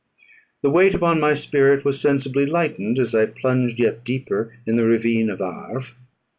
The weight upon my spirit was sensibly lightened as I plunged yet deeper in the ravine of Arve.